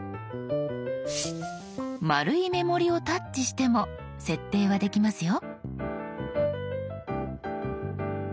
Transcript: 丸い目盛りをタッチしても設定はできますよ。